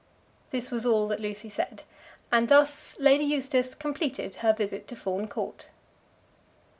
This was all that Lucy said, and thus Lady Eustace completed her visit to Fawn Court.